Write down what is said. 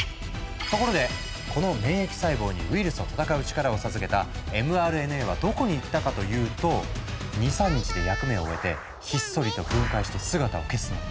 ところでこの免疫細胞にウイルスと戦う力を授けたｍＲＮＡはどこに行ったかというと２３日で役目を終えてひっそりと分解して姿を消すの。